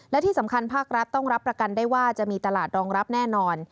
และที่สำคัญภาครัฐต้องรับประกันได้ว่าจะมีตลาดรองรับแน่นอน